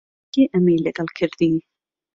کێ ئەمەی لەگەڵ کردی؟